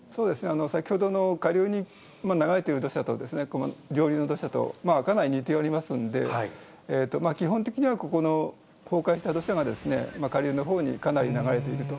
先ほどの下流に流れてる土砂とこの上流の土砂とかなり似ておりますんで、基本的にはここの崩壊した土砂が、下流のほうにかなり流れていると。